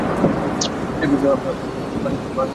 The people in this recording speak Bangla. বছরে একবার বর্ষার আগে আমরা পানিপ্রবাহ ঠিক রাখার জন্য কাজ করি।